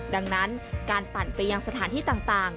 ดังนั้นการปั่นไปยังสถานที่ต่าง